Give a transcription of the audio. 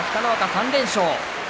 ３連勝。